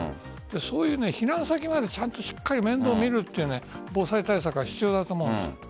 避難先までちゃんと面倒を見るという防災対策が必要だと思うんです。